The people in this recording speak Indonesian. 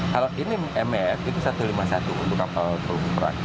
kalau ini mf itu satu ratus lima puluh satu untuk kapal teluk perak